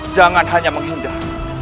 jangan hanya menghindar